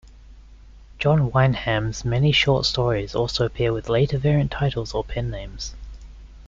John Wyndham's many short stories also appear with later variant titles or pen names.